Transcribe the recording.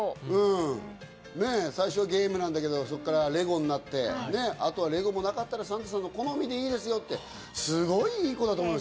最初はゲームだけど、レゴになって、レゴもなかったらサンタさんの好みでいいですよって、すごくいい子だと思う。